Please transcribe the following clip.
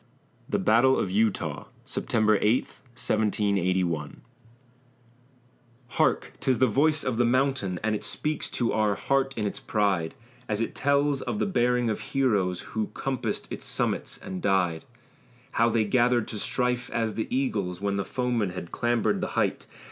THE BATTLE OF EUTAW [September 8, 1781] Hark! 'tis the voice of the mountain, And it speaks to our heart in its pride, As it tells of the bearing of heroes Who compassed its summits and died! How they gathered to strife as the eagles, When the foeman had clambered the height!